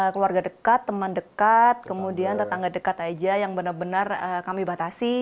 keluarga dekat teman dekat kemudian tetangga dekat aja yang benar benar kami batasi